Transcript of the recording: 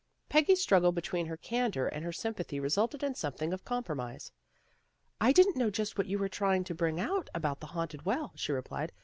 " Peggy's struggle between her candor and her sympathy resulted in something of compromise. " I didn't know just what you were trying to bring out about the haunted well," she replied.